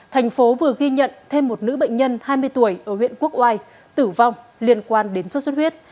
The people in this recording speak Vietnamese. thành phố vừa ghi nhận thêm một nữ bệnh nhân hai mươi tuổi ở huyện quốc oai tử vong liên quan đến sốt xuất huyết